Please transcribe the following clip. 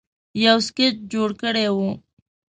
یو سکیچ جوړ کړی وو